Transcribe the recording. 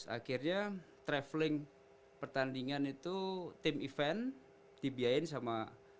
akhirnya traveling pertandingan itu tim event dibiayain sama